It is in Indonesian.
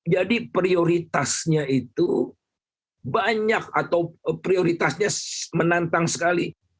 jadi prioritasnya itu banyak atau prioritasnya menantang sekali